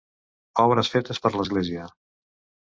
Obres fetes per l'església.